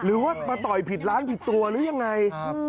หรือว่ามาต่อยผิดร้านผิดตัวหรือยังไง